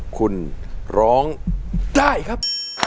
คุณร้องได้ครับ